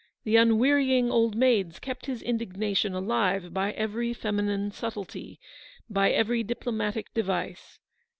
The unwearying old maids kept his indignation alive by every feminine subtlety, by every diplo 64 eleanoe's victoey. matic device.